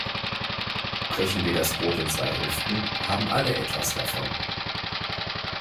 Brechen wir das Brot in zwei Hälften, haben alle etwas davon.